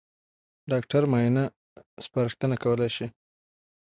ډاکټر معاینه سپارښتنه کولای شي.